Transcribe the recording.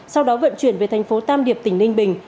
sau đó vận chuyển về tp tam điệp tỉnh ninh bình